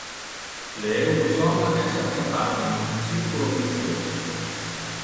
Le eurozona es attrappate in un circulo vitiose.